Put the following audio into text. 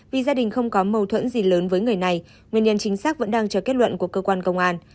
vì gia đình không có mâu thuẫn gì lớn với người này nguyên nhân chính xác vẫn đang chờ kết luận của cơ quan công an